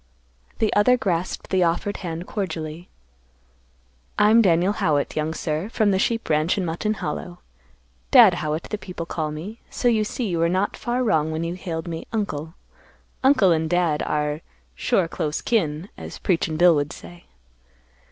The other grasped the offered hand cordially, "I am Daniel Howitt, young sir; from the sheep ranch in Mutton Hollow. Dad Howitt, the people call me. So you see you were not far wrong when you hailed me 'Uncle.' Uncle and Dad are 'sure close kin,' as Preachin' Bill would say."